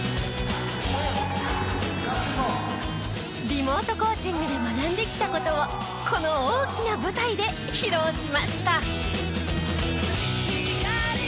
リモートコーチングで学んできた事をこの大きな舞台で披露しました。